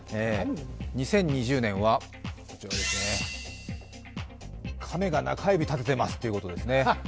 ２０２０年は、亀が中指立ててますってことですね。